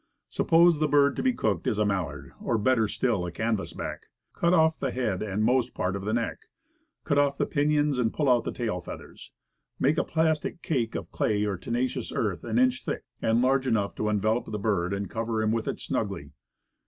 Suppose the bird to be cooked is a mallard, or better still, a canvas back. Cut off the head and most part of the neck ; cut off the pinions and pull out the tail feathers, make a plastic cake of clay or tenacious earth an inch thick, and large enough to envelop the bird, and cover him with it snugly.